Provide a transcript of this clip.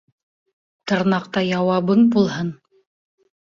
Тырнаҡтай яуабың булһын.